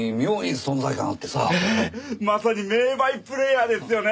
まさに名バイプレーヤーですよね！